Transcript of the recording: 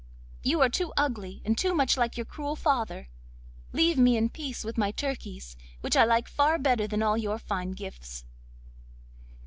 you are too ugly and too much like your cruel father. Leave me in peace with my turkeys, which I like far better than all your fine gifts.